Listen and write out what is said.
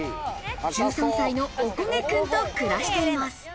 １３歳のおこげ君と暮らしています。